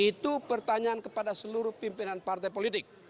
itu pertanyaan kepada seluruh pimpinan partai politik